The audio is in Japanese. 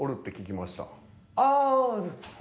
ああ。